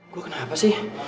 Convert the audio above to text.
gua kenapa sih